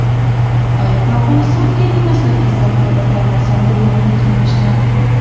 ایا په افغانستان کې د مسلکي زده کړو لپاره ځانګړي مرکزونه شته؟